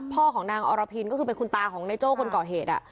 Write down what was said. พ่อของนางอรพินก็คือคุณต่าในในโจ้คุณเก่าเหตุ